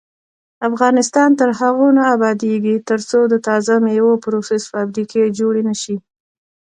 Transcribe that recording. افغانستان تر هغو نه ابادیږي، ترڅو د تازه میوو پروسس فابریکې جوړې نشي.